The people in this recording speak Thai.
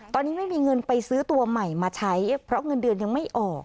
ตอนนี้ไม่มีเงินไปซื้อตัวใหม่มาใช้เพราะเงินเดือนยังไม่ออก